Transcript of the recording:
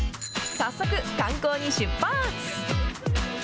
早速、観光に出発。